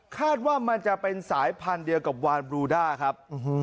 คาดว่ามันจะเป็นสายพันธุ์เดียวกับวานบรูด้าครับ